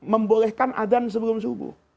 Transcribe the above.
membolehkan adhan sebelum subuh